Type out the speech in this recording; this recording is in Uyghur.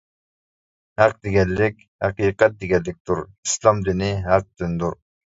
ھەق دېگەنلىك ھەقىقەت دېگەنلىكتۇر، ئىسلام دىنى ھەق دىندۇر!